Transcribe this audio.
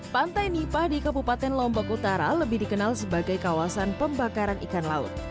pantai nipah di kabupaten lombok utara lebih dikenal sebagai kawasan pembakaran ikan laut